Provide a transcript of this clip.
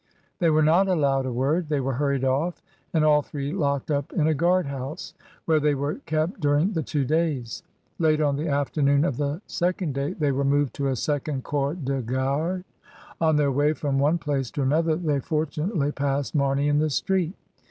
They were not allowed a word. They were hurried off, and all three locked up in a guard house, where they were kept during the two days. Late on the afternoon of the second day they were moved to a second corps de garde. On their way from one place to another they for tunately passed Marney in the street.